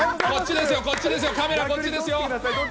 こっちですよ、こっちですよ、カメラこっちですよ。